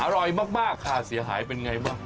อร่อยมากค่าเสียหายเป็นไงบ้าง